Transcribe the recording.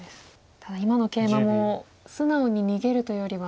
ただ今のケイマも素直に逃げるというよりは。